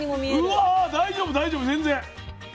うわ大丈夫大丈夫全然。